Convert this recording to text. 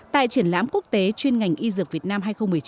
tại triển lãm quốc tế chuyên ngành y dược việt nam hai nghìn một mươi chín